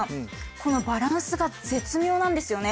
このバランスが絶妙なんですよね